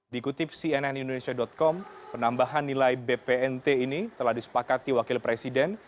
dikutip cnn indonesia com penambahan nilai bpnt ini telah disepakati wakil presiden